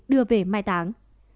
đưa về mai táng